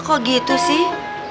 kok gitu sih